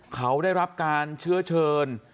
เขาได้รับการเชื้อเชิญ